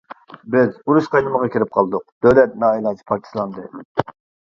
بىز ئۇرۇش قاينىمىغا كىرىپ قالدۇق، دۆلەت نائىلاج پارچىلاندى.